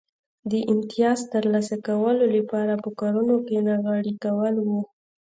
د امیتاز ترلاسه کولو لپاره په کارونو کې ناغېړي کول و